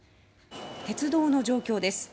鉄道の状況です。